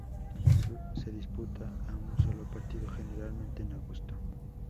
Se disputa a un sólo partido, generalmente en agosto.